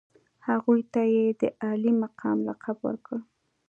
هغوی ته یې د عالي مقام لقب ورکړ.